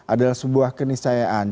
adalah sebuah keniscayaan